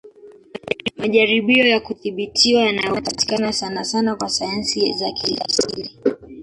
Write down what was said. Majaribio ya kudhibitiwa yanayopatikana sanasana katika sayansi za kiasili